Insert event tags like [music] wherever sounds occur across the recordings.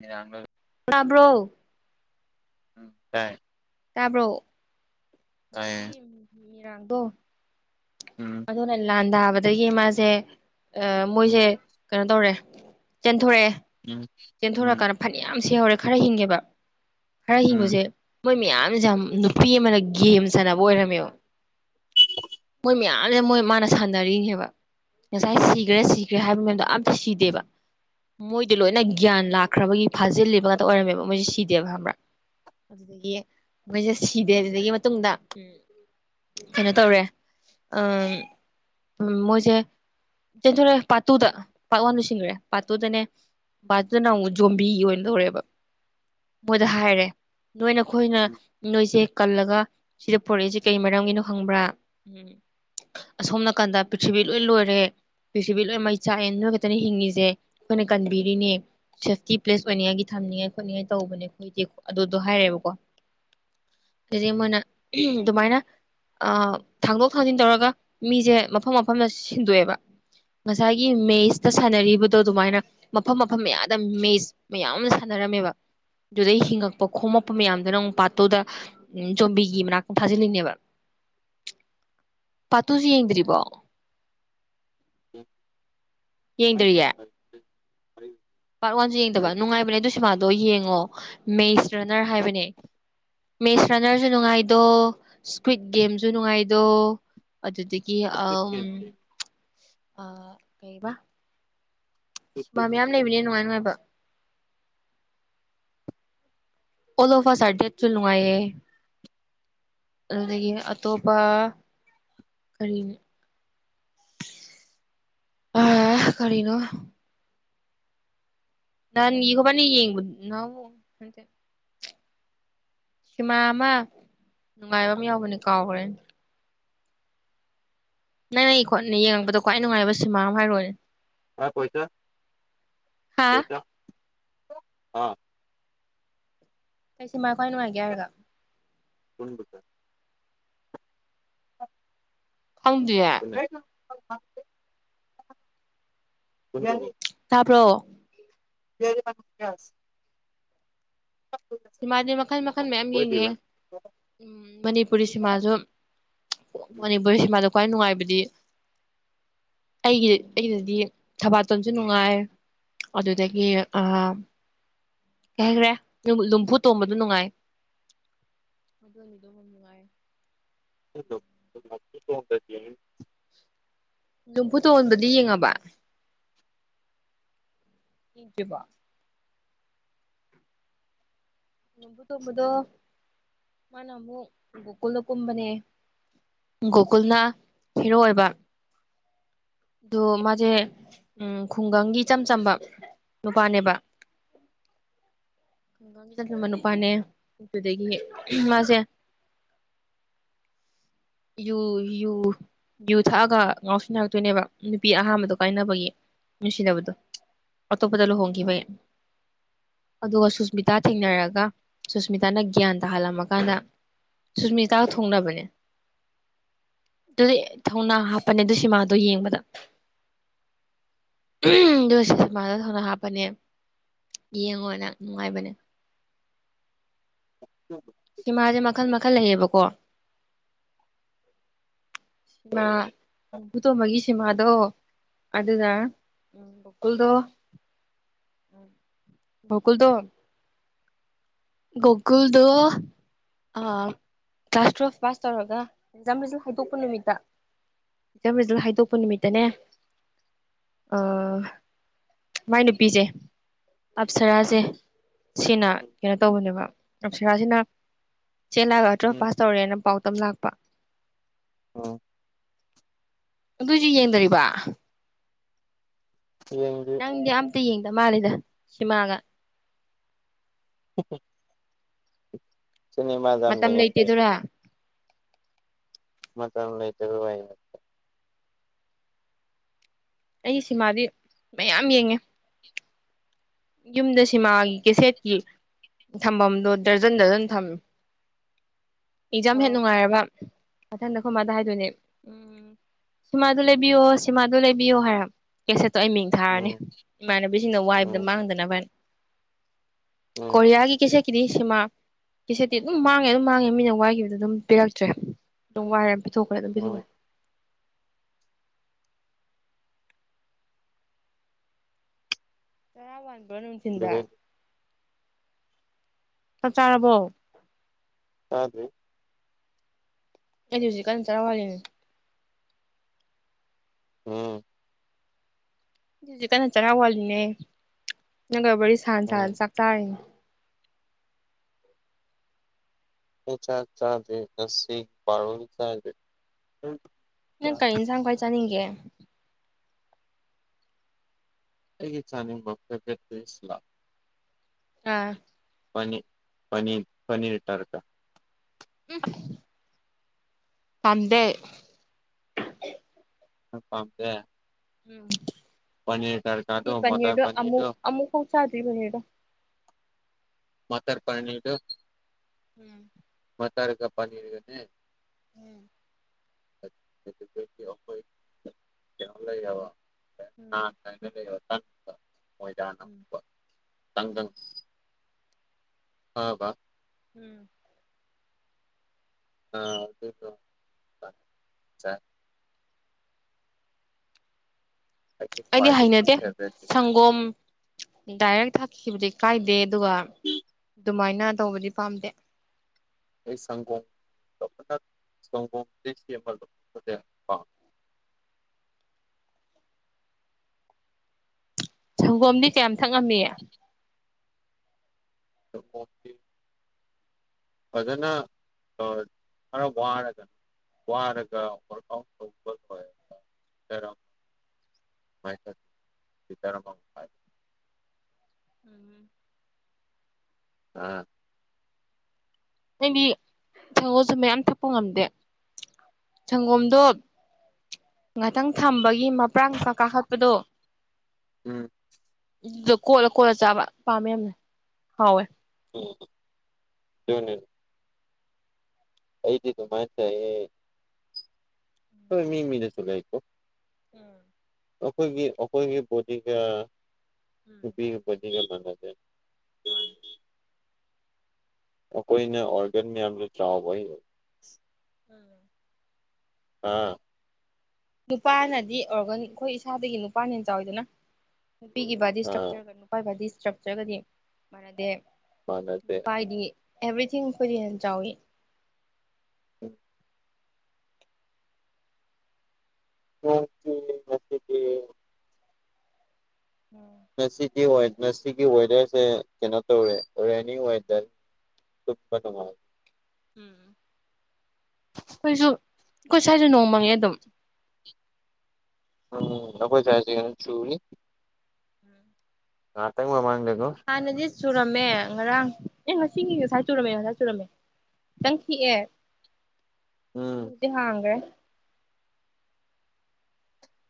ꯪ [inaudible] ꯕ꯭ꯔꯣ ꯎꯝ ꯇꯥꯏ ꯇꯥꯕ꯭ꯔꯣ ꯍꯧꯖꯤꯛꯀꯤ ꯇꯥꯏꯌꯦ ꯃꯤꯔꯥꯡꯗꯣ ꯎꯝ ꯑꯗꯨꯅ ꯂꯥꯟꯗꯥ ꯑꯗꯨꯗꯒꯤ ꯃꯥꯁꯦ ꯎꯝ ꯃꯣꯏꯁꯦ ꯀꯩꯅꯣ ꯇꯧꯔꯦ ꯆꯦꯟꯊꯣꯔꯛꯑꯦ ꯎꯝ ꯎꯝ ꯆꯦꯟꯊꯣꯔꯛꯀꯥꯟꯗ ꯐꯅꯌꯥꯝ ꯁꯤꯍꯧꯔꯦ ꯈꯔ ꯍꯤꯡꯉꯦꯕ ꯈꯔ ꯎꯝ ꯍꯤꯡꯕꯁꯦ ꯃꯣꯏ ꯃꯌꯥꯝꯁꯦ ꯌꯥꯝ ꯅꯨꯄꯤ ꯑꯃꯅ ꯒꯦꯝ ꯁꯥꯟꯅꯕ ꯑꯣꯏꯔꯝꯃꯦꯕ ꯃꯣꯏ ꯃꯌꯥꯝꯁꯦ ꯃꯣꯏ ꯃꯥꯅ ꯁꯥꯟꯅꯔꯤꯅꯦꯕ ꯉꯁꯥꯏ ꯁꯤꯈ꯭ꯔꯦ ꯁꯤꯈ꯭ꯔꯦ ꯍꯥꯏꯕ ꯃꯩꯗꯣ ꯑꯝꯇ ꯁꯤꯗꯦꯕ ꯃꯣꯏꯗꯤ ꯂꯣꯏꯅ ꯒ꯭ꯌꯥꯟ ꯂꯥꯛꯈ꯭ꯔꯕꯒꯤ ꯐꯥꯖꯤꯜꯂꯤꯕ ꯉꯥꯛꯇ ꯑꯣꯏꯔꯝꯃꯦꯕ ꯃꯣꯏꯁꯦ ꯁꯤꯗꯦꯕ ꯈꯕ꯭ꯔꯥ ꯑꯗꯨꯗꯤ ꯃꯣꯏꯁꯦ ꯁꯤꯗꯦ ꯑꯗꯨꯗꯒꯤ ꯃꯇꯨꯡꯗ ꯎꯝ ꯀꯩꯅꯣ ꯇꯧꯔꯦ ꯃꯣꯏꯁꯦ ꯆꯦꯟꯊꯣꯔꯦ ꯄꯥꯠꯇꯨꯗ ꯄꯥꯠ ꯋꯥꯟꯗ ꯁꯤꯟꯈ꯭ꯔꯦ ꯄꯥꯔꯠꯇꯨꯗꯅꯦ ꯄꯥꯠ ꯇꯨꯗꯥꯅ ꯑꯃꯨꯛ ꯖꯣꯝꯕꯤꯒꯤ ꯑꯣꯏꯅ ꯇꯧꯔꯦꯕ ꯃꯣꯏꯗ ꯍꯥꯏꯔꯦ ꯅꯣꯏꯅꯈꯣꯏꯅ ꯅꯣꯏꯁꯦ ꯀꯜꯂꯒ ꯁꯤꯗ ꯄꯨꯔꯛꯏꯁꯤꯦ ꯀꯩ ꯃꯔꯝꯒꯤꯅꯣ ꯍꯪꯕ꯭ꯔꯥ ꯎꯝ ꯑꯁꯣꯝ ꯅꯥꯀꯟꯗ ꯄ꯭ꯔꯤꯊꯤꯕꯤ ꯂꯣꯏ ꯂꯣꯏꯔꯦ ꯄ꯭ꯔꯤꯊꯚꯤ ꯃꯩ ꯆꯥꯛꯑ ꯅꯣꯏ ꯈꯛꯇꯅ ꯍꯤꯡꯉꯤꯁꯦ ꯑꯩꯈꯣꯏꯅ ꯀꯟꯕꯤꯔꯤꯅꯦ ꯁꯦꯐꯇꯤ ꯄ꯭ꯂꯦꯁ ꯑꯣꯏꯉꯒꯤ ꯊꯝꯅꯤꯡꯉꯥꯏ ꯈꯣꯠꯅꯤꯡꯉꯥꯏ ꯇꯧꯕꯅꯦ ꯑꯩꯈꯣꯏꯗꯤ ꯑꯗꯨꯗꯣ ꯍꯥꯏꯔꯦꯕꯀꯣ [inaudible] ꯁꯤꯗꯤ ꯃꯣꯏꯅ ꯑꯗꯨꯃꯥꯏꯅ ꯑ ꯊꯥꯡꯗꯣꯛ ꯊꯥꯡꯖꯤꯟ ꯇꯧꯔꯒ ꯃꯤꯁꯦ ꯃꯐꯝ ꯃꯐꯝꯗ ꯁꯤꯟꯗꯣꯛꯑꯦꯕ ꯉꯁꯥꯏꯒꯤ ꯃꯦꯁꯇ ꯁꯥꯟꯅꯔꯤꯕꯗꯣ ꯑꯗꯨꯃꯥꯏꯅ ꯃꯐꯝ ꯃꯐꯝ ꯃꯌꯥꯗ ꯃꯦꯁ ꯃꯌꯥꯝꯅ ꯁꯥꯟꯅ ꯔꯝꯕ ꯑꯗꯨꯗꯩ ꯍꯤꯡꯉꯛꯄ ꯈꯣꯝꯃꯛꯛꯄ ꯃꯌꯥꯝꯗꯣ ꯅꯪ ꯄꯥꯠꯇꯨꯗꯣꯝꯕꯤ ꯃ ꯐꯥꯖꯤ ꯂꯩꯅꯤ ꯑꯕ ꯄ ꯇꯨꯁꯤ ꯌꯦꯡꯗ꯭ꯔꯤꯕꯔꯤꯕꯣ ꯌꯦꯡꯗ꯭ꯔꯤꯌꯦ ꯐ ꯄꯥꯔꯠ ꯋꯥꯟꯁꯨꯦ ꯌꯦꯡꯗꯕ ꯅꯨꯡꯉꯥꯏꯕꯅꯦ ꯑꯗꯨ ꯁꯃꯗꯣ ꯌꯦꯡꯉꯣ ꯃꯦꯁ ꯔꯅꯔ ꯍꯥꯏꯕꯅꯦ ꯃꯦꯁ ꯔꯅꯔꯁꯨ ꯅꯨꯡꯉꯥꯏꯗꯣ ꯏꯁꯀ꯭ꯋꯤꯠ ꯒꯦꯝꯁꯨ ꯅꯨꯡꯉꯥꯏꯗꯣ ꯑꯗꯨꯗꯒꯤ ꯑ ꯀꯕ ꯁꯨꯕꯥ ꯃꯌꯥꯝ ꯂꯩꯕꯅꯦ ꯅꯨꯡꯉꯥꯏ ꯅꯨꯡꯉꯥꯏꯕ ꯑꯣ ꯂꯣꯐꯥ ꯁꯥꯗꯦꯆꯅꯨ ꯑꯌꯦꯌꯦ ꯑꯗꯨꯗꯒꯤ ꯑꯇꯣꯞꯄ ꯀꯔꯤꯅꯤꯣ [inaudible] ꯑ ꯀꯔꯤꯅꯣ ꯅ ꯏꯈꯕꯅꯤ ꯌꯦꯡꯇ ꯁꯤꯃꯥ ꯑꯃ ꯅꯨꯡꯉꯥꯏꯕ ꯑꯃ ꯌꯥꯎꯕꯅꯤ ꯀꯥꯎꯈ꯭ꯔꯦ ꯅꯪ ꯅꯪ ꯈꯣꯠꯅ ꯌꯦꯡꯛꯄꯗꯣ ꯈ꯭ꯋꯥꯏ ꯅꯨꯡꯉꯥꯏꯕ ꯁꯨꯃꯥꯡ ꯑꯃ ꯍꯥꯏꯔꯨꯔꯅꯦ ꯑ ꯀꯩꯁꯥ ꯍꯥ ꯄꯩꯁꯥ ꯑꯥ ꯀꯩꯁꯤꯃ ꯈ꯭ꯋꯥꯏ ꯅꯨꯡꯉꯥꯏꯒꯦ ꯍꯥꯏꯔꯒ ꯄꯨꯟꯕꯗ ꯐꯪꯗꯤꯌꯥ ꯦ ꯀ ꯇꯥꯕ꯭ꯔꯣ [inaudible] ꯁꯤꯃꯥꯗꯤ ꯃꯈꯜ ꯃꯈꯜ ꯃꯌꯥꯝ ꯌꯦꯡꯉꯦ ꯃꯅꯤꯄꯨꯔꯤ ꯁꯤꯃꯥꯁꯨ ꯃꯅꯤꯄꯨꯔꯁꯤꯃꯗ ꯈ꯭ꯋꯥꯏ ꯅꯨꯡꯉꯥꯏꯕꯗꯤ ꯑꯩꯒꯤ ꯑꯩꯗꯗꯤ ꯊꯕꯥꯇꯣꯟꯁꯨ ꯅꯨꯡꯉꯥꯏ ꯑꯗꯨꯗꯒꯤ ꯑ ꯀꯩꯈ꯭ꯔꯦ ꯈꯨ ꯇꯣꯝꯕꯗꯨ ꯅꯨꯡꯉꯥꯏ ꯇꯗꯤ ꯅꯝꯐꯨ ꯇꯣꯟꯣꯟꯕꯗꯤ ꯌꯦꯡꯉꯕ ꯍ ꯀ ꯋꯥ ꯅꯝꯕꯨ ꯇꯣꯝꯕꯗꯣ ꯃꯥꯅ ꯑꯃꯨꯛ ꯒꯣꯀꯨꯜꯗꯣ ꯀꯨꯝꯕꯅꯦ ꯒꯣꯀꯨꯜꯅ ꯍꯦꯔꯣ ꯑꯣꯏꯕ ꯑꯗꯨ ꯃꯥꯁꯦ ꯎꯝ ꯈꯨꯡꯒꯪꯒꯤ ꯏꯆꯝ ꯆꯝꯕ ꯅꯨꯄꯥꯅꯦꯕ [inaudible] ꯀꯒ ꯃ ꯅꯨꯄꯥꯅꯦ ꯑꯗꯨꯗꯒꯤ ꯃꯥꯁꯦ ꯌꯨ ꯌꯨ ꯌꯖꯨ ꯊꯛꯑꯒ ꯉꯥꯎꯁꯤꯟꯅꯔꯛꯇꯣꯏꯅꯦꯕ ꯅꯨꯄꯤ ꯑꯍꯥꯟꯕꯗꯣ ꯀꯥꯏꯅꯕꯒꯤ ꯅꯨꯡꯁꯤꯅꯕꯗꯣ ꯑꯇꯣꯞꯄꯗ ꯂꯨꯍꯣꯡꯈꯤꯕ ꯑꯗꯨꯒ ꯁꯨꯁꯃꯤꯇꯥ ꯊꯦꯡꯅꯔꯒ ꯁꯨꯁꯃꯤꯇꯥꯅ ꯒ꯭ꯌꯥꯟ ꯇꯥꯍꯜꯂꯝꯃꯀꯥꯟꯗ ꯁꯨꯁꯃꯤꯇꯥꯒ ꯊꯣꯡꯅꯕꯅꯦ ꯑꯗꯨꯗꯤ ꯊꯧꯅꯥ ꯍꯥꯞꯄꯅꯦ ꯑꯗꯨ ꯁꯤꯃꯥꯗꯣ ꯌꯦꯡꯕꯗ ꯑꯗꯨꯣꯁ ꯁꯨꯃꯗ ꯊꯧꯅ ꯍꯥꯞꯄꯅꯦ ꯌꯦꯡꯉꯣ ꯅꯪ ꯅꯨꯡꯉꯥꯏꯕꯅꯦ ꯁꯤꯃꯥꯁꯦ ꯃꯈꯜ ꯃꯈꯜ ꯂꯩꯌꯦꯕꯀꯣ [unintelligible] ꯁꯤꯃꯥ ꯃꯕꯨꯨ ꯇꯣꯃꯒꯤ ꯁꯤꯃꯥꯗꯣ ꯑꯗꯨꯗꯥ ꯎꯝ ꯨꯀꯜꯗꯣ [unintelligible] ꯣꯀꯨꯜꯗ ꯒꯣꯒꯨꯜꯗꯣ ꯀ꯭ꯂꯥꯁ ꯇꯨꯋꯜꯐ ꯄꯥꯁ ꯇꯧꯔꯒ ꯑꯦꯛꯖꯥꯝ ꯔꯤꯖ ꯍꯥꯏꯗꯣꯛꯄ ꯅꯨꯃꯤꯠꯇ ꯖꯝ ꯔꯤꯖꯜ ꯍꯥꯏꯗꯣꯛꯄ ꯅꯨꯃꯤꯠꯇꯅꯦ ꯃꯥꯏ ꯅꯨꯄꯤꯁꯦ ꯑꯞꯁꯔꯥꯁꯦ ꯁꯤꯅ ꯀꯩꯅꯣ ꯇꯧꯕꯅꯦꯕ ꯑꯞꯁꯔꯥꯁꯤꯅ ꯆꯦ ꯂꯥꯛꯑꯒ ꯑꯇꯔꯒ ꯄꯥꯁ ꯇꯧꯔꯦꯅ ꯄꯥꯎꯇꯝ ꯂꯥꯛꯄ ꯑꯣ ꯑꯗꯨꯏꯁꯨ ꯌꯦꯡꯗꯔꯤꯕ ꯌꯦꯡꯒꯤ ꯠꯇ ꯌꯦꯡꯗ ꯃꯥꯜꯂꯤꯗ ꯁꯤꯃꯥꯡꯒ ꯍ ꯃꯇꯝ ꯌꯦꯡꯉꯝꯗꯦ ꯂꯩꯇꯦꯗꯨꯔ ꯃꯊꯅ ꯂ ꯂꯩꯇ ꯑꯗꯨ ꯋꯥꯏꯦ ꯑꯩꯒꯤ ꯁꯤꯃꯥꯗꯤ ꯃꯌꯥꯝ ꯌꯦꯡꯉꯦ ꯌꯨꯝꯗ ꯁꯤꯃꯥꯒꯤ ꯀꯦꯁꯦꯠꯀꯤ ꯊꯝꯐꯝꯗꯣ ꯗꯔꯖꯟ ꯗꯔꯖꯟ ꯊꯝꯃꯦ ꯑꯦꯛꯖꯥꯝ ꯍꯦ ꯎꯝ ꯅꯨꯡꯉꯥꯏꯔꯕ ꯃꯊꯪꯗꯈꯣꯏ ꯃꯥꯗ ꯍꯥꯏꯗꯣꯏꯅꯦ ꯎꯝ ꯁꯤꯃꯥꯗꯨ ꯂꯩꯕꯤꯌꯣ ꯁꯤꯃꯥꯗꯨ ꯂꯩꯕꯤꯌꯣ ꯍꯥꯏꯔ ꯀ ꯑ ꯑꯩ ꯃꯤꯡ ꯊꯥꯔꯅꯤ ꯎꯝ ꯏꯃꯥꯟꯅꯕꯤꯁꯤꯡꯅ ꯋꯥꯏꯕꯗ ꯎꯝ ꯃꯥꯡꯗꯅꯕ ꯍꯥꯏ ꯎꯝ ꯀꯣꯔꯤꯌꯥꯒꯤ ꯀꯩꯆꯦꯠꯀꯤꯗꯤ ꯁꯤꯃꯥ ꯀꯩꯆꯦꯠꯇꯤ ꯑꯗꯨꯝ ꯃꯥꯡꯉꯦ ꯑꯗꯨꯝ ꯃꯥꯡꯉꯦ ꯃꯤꯅ ꯋꯥꯏꯈꯤꯕꯗ ꯑꯗꯨꯝ ꯄꯤꯔꯛꯇ꯭ꯔꯦ ꯑꯗꯨꯝ ꯋꯥꯏꯔ ꯄꯤꯊꯣꯛꯈ꯭ꯔꯦ ꯑꯗꯨꯝ ꯄꯤꯊꯣꯛꯈ꯭ꯔꯦ ꯎꯝ ꯀꯔ ꯋꯥꯕꯅꯃꯤ ꯆꯤꯟꯗ ꯆꯞ ꯆꯥꯔꯕꯣ ꯑꯗꯔꯤ ꯑꯩꯗꯤ ꯍꯧꯖꯤꯛ ꯀꯔꯝ ꯆꯔꯥꯎ ꯍꯜꯂꯤꯅꯦ ꯎꯝ ꯍꯧꯖꯤꯛ ꯀꯟꯅ ꯆꯔꯥꯎ ꯋꯥꯂꯤꯅꯦ ꯅꯪꯒ ꯋꯥꯔꯤꯔꯤ ꯁꯅ ꯎꯝ ꯁꯅ ꯆꯥꯛꯇꯥꯥꯔꯤꯅꯦ ꯆꯥ ꯆꯥꯖꯦ ꯉꯁꯤ ꯄꯥꯔ ꯆꯥꯏꯖꯦ ꯅꯪ ꯀ ꯏꯟꯁꯥꯡ ꯈꯋꯥꯏ ꯆꯠꯅꯤꯡꯒꯦ ꯑꯩꯒꯤ ꯆꯥꯅꯤꯡꯕ ꯐꯦꯕꯠꯇ ꯏꯁꯂꯥꯝ ꯑꯥ ꯔ ꯇꯔꯀ ꯎꯝ ꯇꯗꯦ ꯄꯝꯄ ꯎꯝ ꯑꯗꯨꯗꯤ ꯄꯅꯤꯔꯗꯣ ꯑꯃꯨꯛ ꯑꯃꯨꯛ ꯐ ꯆꯥꯗ꯭ꯔꯤ ꯄꯅꯤꯔꯗꯣ ꯃꯊꯔ ꯄꯅꯤꯔ ꯎꯝ ꯃꯆꯥꯥꯔ ꯀꯄꯅꯤꯔꯒꯅꯦꯦ ꯎꯝ ꯈꯣꯏ ꯌꯥꯕ ꯎꯝ ꯂꯩꯪ ꯃꯣꯏꯅ ꯎꯝ ꯆꯪꯗꯪ ꯑꯥ ꯋꯥ ꯎꯝ ꯑ ꯑꯗꯨ ꯑꯩꯒꯤ ꯑꯩꯗꯤ ꯈ꯭ꯋꯥꯏꯗꯒꯤ ꯍꯩꯅꯗꯦ ꯐꯦꯚꯔꯦꯠ ꯁꯪꯒꯣꯝ ꯗꯥꯏꯔꯦꯛ ꯊꯛꯈꯤꯕꯗꯤ ꯀꯥꯏꯗꯦ ꯑꯗꯨꯒ ꯑꯗꯨꯃꯥꯏꯅ ꯇꯧꯕꯗꯤ ꯄꯥꯝꯗꯦ ꯑꯩ ꯁꯪꯀꯣ [unintelligible] [unintelligible] ꯁꯪꯒꯣꯝꯗꯤ ꯀꯌꯥꯝ ꯊꯛꯉꯝꯃꯤ ꯇꯤ ꯐꯖꯅ ꯑ ꯐꯔ ꯋꯥꯔꯗꯅ ꯋꯥꯔꯒꯄ ꯔ ꯎꯝ ꯑꯥ ꯅꯪꯗꯤ ꯁꯪꯒꯣꯁꯨ ꯃꯌꯥꯝ ꯊꯛꯄ ꯉꯝꯗꯦ ꯁꯪꯒꯣꯝꯗꯣ ꯉꯥꯛꯇꯪ ꯊꯝꯕ ꯃꯄ ꯀꯥꯈꯠꯄꯗꯣ ꯑꯗꯨꯗ ꯀꯣꯠꯂ ꯀꯣꯠꯂ ꯆꯥꯕ ꯄꯥꯝꯃꯦ ꯌꯥꯝꯅ ꯍꯥꯎꯋꯦ ꯎꯝ ꯑꯗꯨꯅꯤ ꯑꯩꯗꯤꯗꯨ ꯃꯥꯁ ꯍꯣꯏ ꯃꯤ ꯃꯤꯅꯦꯁꯨꯒꯀꯣ ꯎꯝ ꯑꯩꯈꯣꯏꯒꯤ ꯑꯩꯈꯣꯏꯒꯤ ꯕꯣꯗꯤꯒ ꯅꯨꯄꯤꯒ ꯕꯣꯗꯤꯒ ꯃꯥꯟꯅꯗꯦ ꯑ ꯑꯩꯈꯣꯏꯅ ꯑꯣꯔꯒꯦꯟ ꯃꯌꯥꯝꯗꯣ ꯆꯥꯎꯕ ꯎꯝ ꯑꯥ ꯅꯨꯄꯥꯅꯗꯤ ꯑꯣꯔꯒꯅꯤ ꯑꯩꯈꯣꯏ ꯏꯁꯥꯗꯒꯤ ꯅꯨꯄꯥꯅ ꯆꯥꯎꯋꯤꯗꯅ ꯅꯨꯄꯤꯒꯤ ꯕꯥꯗꯤ ꯑꯥ ꯏꯁꯇ꯭ꯔꯛꯆꯔꯒ ꯅꯨꯄꯥꯒꯤ ꯕꯥꯗꯤ ꯏꯁꯇ꯭ꯔꯛꯆꯔꯒꯗꯤ ꯃꯥꯟꯅꯗꯦ ꯃꯥꯅꯗꯦ ꯅꯨꯄꯥꯒꯤꯗꯤ ꯑꯦꯕ꯭ꯔꯤꯊꯤꯡ ꯐꯗꯤꯅ ꯆꯥꯎꯎꯋꯤ ꯎ ꯃ ꯃꯁꯗꯤ ꯉꯁꯤꯒꯤ ꯉꯁꯤꯒꯤ ꯋꯦꯗꯔꯁꯦ ꯀꯩꯅꯣ ꯇꯧꯋꯦ ꯔꯦꯅꯤ ꯋꯦꯗꯔ ꯇꯨꯝꯕ ꯅꯨꯡꯉꯥꯏꯅꯤ ꯎꯝ ꯑꯩꯈꯣꯏꯁꯨ ꯑꯩꯈꯣꯏ ꯁ꯭ꯋꯥꯏꯁꯨ ꯅꯣꯡꯃꯪꯉꯦ ꯑꯗꯨꯝ ꯎꯝ ꯑꯈꯣꯏ ꯁꯋꯥꯏꯗꯗꯤ ꯀꯟꯅꯥ ꯆꯨꯔꯤ ꯉꯛꯇꯪ ꯃꯥꯃꯥꯡꯗ ꯍꯥꯟꯅꯗꯤ ꯆꯨꯔꯝꯃꯦ ꯉꯔꯥꯡ ꯑꯦ ꯉꯁꯤꯒꯤ ꯉꯁꯥꯏ ꯆꯨꯔꯝꯃꯦ ꯉꯁ ꯆꯨꯔꯝꯃꯦ ꯈꯤꯇꯪ ꯈꯤꯛꯑꯦ ꯎꯝ ꯑꯗꯨ ꯍꯧꯖꯤꯛ ꯍꯥꯡꯈ꯭ꯔꯦ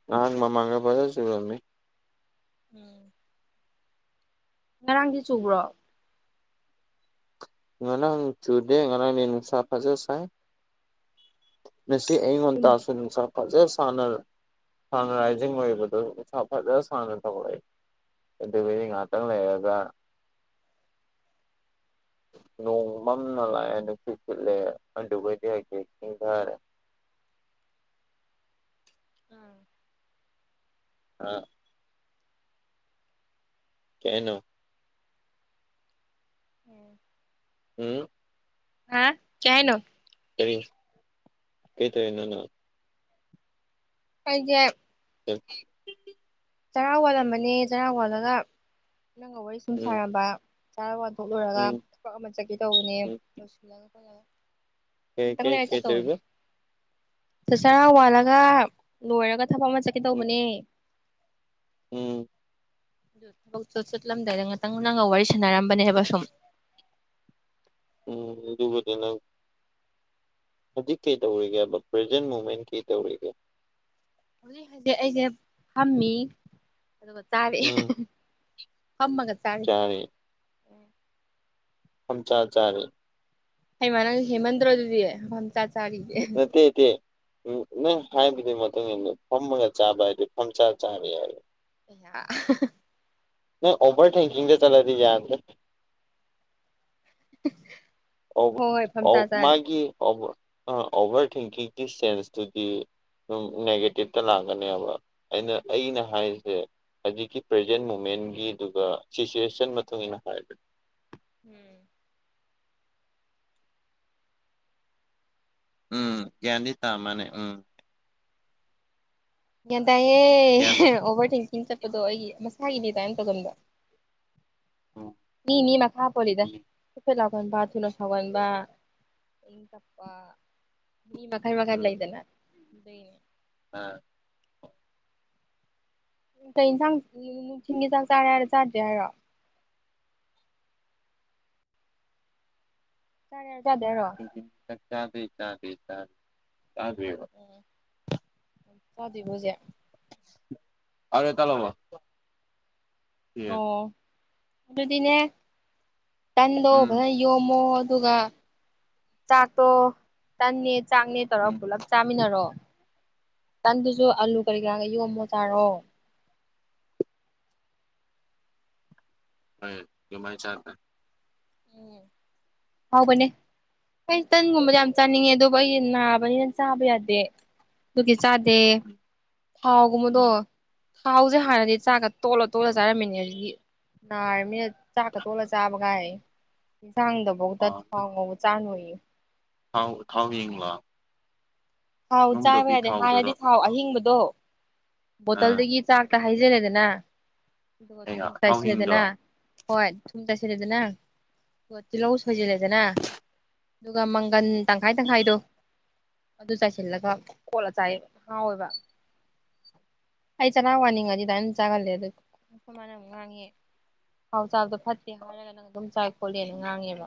ꯉꯥꯍꯥꯛ ꯃꯥꯃꯥꯡꯗ ꯐꯖꯅ ꯆꯨꯔꯝꯃꯦ ꯎꯝ ꯉꯔꯥꯡꯗꯤ ꯆꯨꯕ꯭ꯔꯣ ꯏꯅ ꯆꯨꯔꯗꯦ ꯉꯅꯅꯨꯡ ꯁꯥ ꯐꯖ ꯆꯥꯏ ꯅꯁꯤ ꯑꯩꯡꯣꯟ ꯇꯁꯨꯁ ꯐꯖ ꯁꯅ ꯁꯟ ꯔꯥꯏꯖꯤꯡ ꯑꯣꯏꯕꯗꯨꯣ ꯏꯁꯥ ꯐꯖ ꯁꯅ ꯇꯧꯔꯛꯏ ꯑꯗꯨꯗꯨ ꯑꯣ ꯄꯗꯤ ꯉꯥꯇꯪꯂ ꯌꯥꯒ ꯅꯣꯡꯃꯝꯅ ꯂꯥꯛꯑꯦ ꯅꯨꯡꯁꯤꯠ ꯁꯤꯠꯂꯦ ꯑꯗꯨꯒꯗꯤ ꯍꯥꯏꯗꯤꯦ ꯁꯤꯡꯊꯔꯦ [unintelligible] ꯑꯥ ꯑ ꯀꯩꯍꯥꯢꯅꯣ ꯎꯝ ꯎꯝ ꯍꯥ ꯀꯩ ꯍꯥꯏꯅꯣ ꯀꯔꯤ ꯀꯩ ꯇꯧꯔꯤꯅꯣ ꯅꯪ ꯑꯩꯁꯦ ꯑ [inaudible] ꯆꯔꯥ ꯋꯥꯜꯂꯝꯕꯅꯦ ꯆꯔꯥ ꯋꯥꯜꯂꯒ ꯅꯪꯒ ꯋꯥꯔꯤ ꯁꯨꯝ ꯎꯝ ꯁꯥꯔꯝꯕꯔꯥ ꯂꯣꯔꯒ ꯎꯝ ꯊꯕꯛ ꯑꯃ ꯆꯠꯀꯦ ꯇꯧꯕꯅꯦ ꯂꯧꯏꯁꯤꯜꯂꯒ ꯈꯣꯠꯂꯒ ꯀꯦ ꯀꯦ ꯀꯩꯇꯧꯑꯦꯕ ꯆ ꯆꯥꯔꯥ ꯋꯥꯜꯂꯒ ꯂꯣꯏꯔꯒ ꯊꯕꯛ ꯑꯃ ꯆꯠꯀꯦ ꯎꯝ ꯇꯧꯕꯅꯦ ꯎꯝ ꯊꯕꯛ ꯇꯨ ꯆꯠꯂꯝꯗꯥꯢꯗ ꯉꯥꯛꯇꯪ ꯅꯪꯒ ꯋꯥꯔꯤ ꯁꯥꯟꯅꯔꯝꯕꯅꯦꯕ ꯁꯨꯝ ꯎꯝ ꯑꯗꯨꯕꯨꯗꯤꯅꯪ ꯍꯧꯖꯤꯛ ꯀꯩ ꯇꯧꯔꯤꯒꯦꯕ ꯄ꯭ꯔꯖꯦꯟ ꯃꯨꯃꯦꯟ ꯀꯩ ꯇꯧꯔꯤꯒꯦ ꯍꯧꯖꯤꯛ ꯍꯧꯖꯤꯛ ꯑꯩꯁꯦ ꯐꯝꯃꯤ ꯑꯗꯨꯒ ꯆꯥꯔꯤ ꯎꯝ ꯐꯝꯃꯒ ꯆꯥꯔꯤ ꯐꯝꯖ ꯆꯥꯔꯤ ꯍꯩꯃꯥ ꯅꯪꯁꯨ ꯍꯦꯟꯃꯥꯟꯗꯔꯣ ꯑꯗꯨꯗꯤ ꯆꯥꯔꯤꯗꯤ [inaudible] ꯅꯪ ꯍꯥꯏꯕꯗꯨꯒꯤ ꯃꯇꯨꯡ ꯏꯟꯅ ꯐꯝꯃꯒ ꯆꯥꯕ ꯍꯥꯏꯗꯤ ꯐꯝ ꯆꯥ ꯆꯥꯔꯦ ꯍꯥꯏ [inaudible] ꯅ ꯑꯣꯚꯔ ꯊꯤꯡꯀꯤꯛꯗ ꯆꯠꯂꯗꯤ ꯌꯥꯗꯔꯦ ꯍꯤ ꯑꯕ ꯑ ꯃꯥꯒꯤ ꯑꯕ ꯑ ꯑꯣꯚꯔ ꯊꯤꯡꯀꯤꯡꯒꯤ ꯁꯦꯟꯁꯇꯨꯗꯤ ꯁꯨꯝ ꯅꯦꯒꯦꯇꯤꯞꯇ ꯂꯥꯛꯀꯅꯦꯕ ꯑꯩꯅ ꯑꯩꯅ ꯍꯥꯏꯔꯤꯁꯦ ꯑꯗꯨꯀꯤ ꯄ꯭ꯔꯖꯦꯟ ꯃꯣꯃꯦꯟꯒꯤ ꯑꯗꯨꯒ ꯁꯤꯆꯨꯋꯦꯁꯟ ꯃꯇꯨꯡ ꯏꯟꯅ ꯍꯥꯏꯕꯅꯤ ꯎꯝ ꯎꯝ ꯀꯤꯌꯥꯟꯗꯤ ꯑ ꯃꯥꯜꯂꯦ ꯎꯝ ꯒ꯭ꯌꯥꯟ ꯇꯥꯏꯌꯦ ꯒ꯭ꯌꯥꯟ ꯑꯣꯚꯔ ꯊꯤꯡꯀꯤꯡ ꯆꯠꯄꯗꯣ ꯑꯩ ꯃꯁꯥꯒꯤꯅꯦ ꯇꯥꯏꯅ ꯇꯧꯒꯟꯗ ꯎꯝ ꯃꯤ ꯃꯤ ꯃꯥꯈꯥ ꯄꯣꯜꯂꯤꯗ ꯍꯥꯏꯐꯦꯠ ꯂꯥꯎꯒꯟꯕ ꯊꯨꯅ ꯁꯥꯎꯒꯟꯕ ꯏꯪ ꯇꯞꯄ ꯃꯤ ꯃꯈꯜ ꯝꯈꯜ ꯂꯩꯗꯅꯗ ꯑꯗꯨꯏꯅꯦ ꯑꯥ ꯀꯩ ꯌꯦꯟꯁꯥꯡ ꯅꯨꯡꯊꯤꯟꯒꯤ ꯆꯥꯛ ꯆꯥꯔꯦ ꯍꯥꯏꯔ ꯆꯥꯗꯔ꯭ꯤ ꯍꯥꯏꯔꯣ ꯆꯔꯦ ꯍꯥꯏꯔꯣ ꯆꯗꯔꯤ ꯍꯥꯏꯔꯣ꯫ ꯆꯥꯗꯔ꯭ꯤ ꯆꯥꯗꯔ꯭ꯤ ꯆꯗꯔꯤꯕꯥ ꯆꯥꯛ ꯆꯗꯔꯤ ꯕꯣ ꯍꯧꯖꯤꯛ ꯑ ꯑꯦ ꯇ ꯂꯕꯣ ꯑꯣ ꯑꯗꯨꯗꯤꯅꯦ ꯇꯟꯗꯣ ꯐꯖꯅ ꯌꯣꯝꯃꯣ ꯑꯗꯨꯒ ꯆꯥꯛꯇꯣ ꯇꯟꯅꯦ ꯆꯥꯛꯅꯦ ꯇꯧꯔꯒ ꯎꯝ ꯄꯨꯂꯞ ꯆꯥꯃꯤꯟꯅꯔꯣ ꯇꯟꯗꯨꯁꯨ ꯑꯥꯂꯨ ꯀꯔꯤ ꯀꯔꯥꯒ ꯌꯣꯝꯃꯣ ꯆꯥꯔꯣ ꯍꯣꯏ ꯑꯗꯨꯃꯥꯏ ꯆꯥꯇꯔꯦ ꯎꯝ ꯍꯥꯎꯕꯅꯦ ꯑꯩ ꯇꯟꯒꯨꯝꯕꯗ ꯌꯥꯝ ꯆꯥꯅꯤꯡꯉꯦ ꯑꯗꯨꯕꯨ ꯑꯩ ꯅꯥꯕꯅꯤꯅ ꯆꯥꯕ ꯌꯥꯗꯦ ꯑꯗꯨꯒꯤ ꯆꯥꯗꯦ ꯊꯥꯎꯒꯨꯝꯕꯗꯣ ꯎꯝ ꯊꯥꯎꯁꯦ ꯍꯥꯟꯅꯗꯤ ꯆꯥꯛꯒ ꯇꯣꯜꯂ ꯇꯣꯜꯂ ꯆꯥꯔꯝꯃꯤꯅꯦ ꯍꯧꯖꯤꯛꯇꯤ ꯁꯥꯔꯕꯅꯤꯅꯥ ꯆꯥꯛꯀꯥ ꯇꯣꯠꯂꯥ ꯆꯕꯒꯥꯏꯅ ꯍꯦꯟꯆꯥꯡꯗꯐꯧꯗ ꯊꯥꯎ ꯉꯧꯕ ꯆꯥꯅꯨꯌꯦ ꯊꯥꯎ ꯊꯥꯎ ꯍꯤꯡꯂꯣ ꯊꯥꯎ ꯆꯥꯕ ꯅꯨꯡꯗꯕꯤ ꯌꯥꯗꯦ ꯍꯥꯟꯅꯗꯤ ꯊꯥꯎꯗꯔꯣ ꯊꯥꯎ ꯑꯍꯤꯡꯕꯗꯣ ꯑ ꯕꯣꯇꯜꯗꯒꯤ ꯆꯥꯛ ꯍꯩꯖꯤꯜꯂꯦꯗꯅ ꯑꯗꯨ ꯒꯥ ꯊꯨꯝ ꯊꯥꯎ ꯆꯥꯏꯁꯤꯜꯂꯦꯗꯅ ꯍꯤꯡꯗꯣ ꯍꯣꯏ ꯊꯨꯝ ꯆꯥꯏꯁꯤꯜꯂꯦ ꯑꯗꯨꯒꯥ ꯇꯤꯜꯍꯧ ꯁꯣꯏꯖꯤꯜꯂꯦꯗꯅ ꯑꯗꯨꯒ ꯃꯪꯒꯟ ꯇꯪꯈꯥꯏ ꯇꯪꯈꯥꯏꯗꯣ ꯑꯗꯨ ꯆꯥꯏꯁꯤꯜꯂꯒ ꯀꯣꯠꯂ ꯆꯥꯏ ꯍꯥꯎꯋꯦꯕ ꯑꯩ ꯆꯔꯥ ꯋꯥꯅꯤꯡꯉꯗꯤ ꯑꯗꯥꯏꯅ ꯆꯥꯒꯜꯂꯦ ꯑꯗꯨꯅ ꯑꯩꯈꯣꯏ ꯃꯅꯥ ꯌꯥꯝ ꯉꯥꯡꯉꯦ ꯊꯥꯎ ꯆꯥꯕꯗꯣ ꯐꯠꯇꯦ ꯍꯥꯏꯔꯒ ꯅꯪ ꯑꯗꯨꯝ ꯆꯥꯏ ꯈꯣꯠꯂꯦꯅ ꯉꯥꯡꯉꯦꯕ